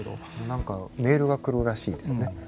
何かメールが来るらしいですね。